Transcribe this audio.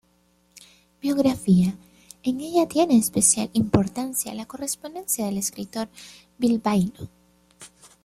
Biografía", en ella tiene especial importancia la correspondencia del escritor bilbaíno.